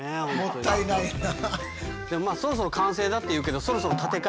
もったいないな。